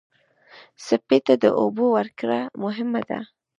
سپي ته د اوبو ورکړه مهمه ده.